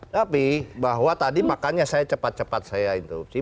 tapi bahwa tadi makanya saya cepat cepat saya interupsi